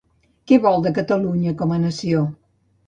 Què vol de Catalunya com a nació?